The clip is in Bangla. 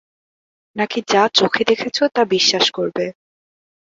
নাকি যা চোখে দেখেছ তা বিশ্বাস করবে?